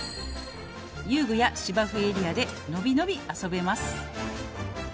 「遊具や芝生エリアでのびのび遊べます」